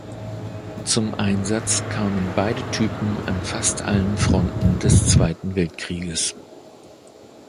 Zum Einsatz kamen beide Typen an fast allen Fronten des Zweiten Weltkrieges.